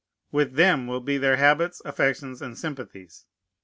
With them will be their habits, affections, and sympathies.